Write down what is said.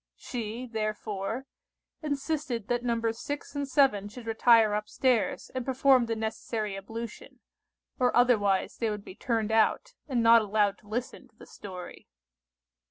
She, therefore, insisted that Nos. 6 and 7 should retire up stairs and perform the necessary ablution, or otherwise they would be turned out, and not allowed to listen to the story.